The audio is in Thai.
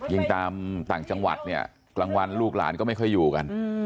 ตามต่างจังหวัดเนี่ยกลางวันลูกหลานก็ไม่ค่อยอยู่กัน